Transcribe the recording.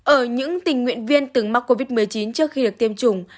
ở những tình nguyện viên từng mắc covid một mươi chín trước khi được tiêm chủng